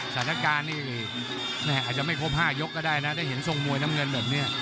สถานการณ์นี่อาจจะไม่ครบ๕ยกก็ได้นะได้เห็นทรงมวยน้ำเงินแบบนี้